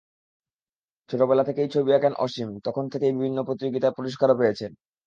ছোটবেলা থেকেই ছবি আঁকেন অসীম, তখন থেকেই বিভিন্ন প্রতিযোগিতায় পুরস্কারও পেয়েছেন।